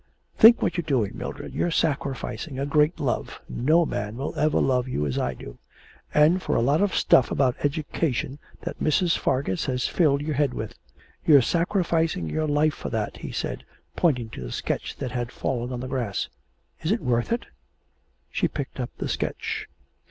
'Think what you're doing, Mildred. You're sacrificing a great love (no man will ever love you as I do) and for a lot of stuff about education that Mrs. Fargus has filled your head with. You're sacrificing your life for that,' he said, pointing to the sketch that had fallen on the grass. 'Is it worth it?' She picked up the sketch.